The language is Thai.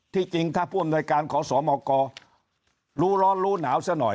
จริงถ้าผู้อำนวยการขอสมกรู้ร้อนรู้หนาวซะหน่อย